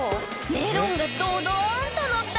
メロンがドドーンとのった